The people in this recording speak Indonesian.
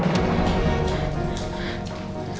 terima kasih banyak